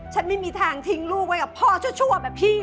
ฉันไม่มีทางทิ้งลูกไว้กับพ่อชั่วชั่วแบบพี่หรอก